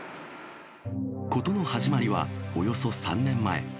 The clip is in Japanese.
事の始まりは、およそ３年前。